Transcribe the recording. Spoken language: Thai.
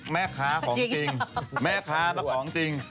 แม่ค้าของจริงแม่ค้าของจริง